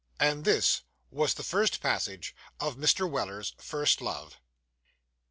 And this was the first passage of Mr. Weller's first love.